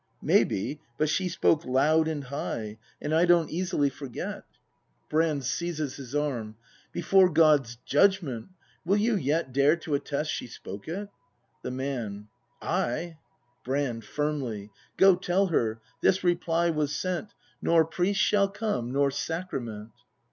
Maybe; but she spoke loud and high; And I don't easily forget. ACT III] BRAND 117 Brand. [Seizes his arm ] Before God's Judgment, will you yet Dare to attest she spoke it ? The Man. Ay. Brand. [Firmly.] Go, tell her, this reply was sent: "Nor priest shall come, nor sacrament."